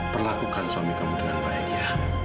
perlakukan suami kamu dengan baik ya